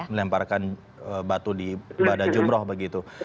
melemparkan batu di bada jumroh begitu